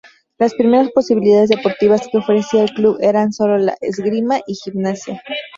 Las primeras posibilidades deportivas que ofrecía el club eran sólo la esgrima y gimnasia.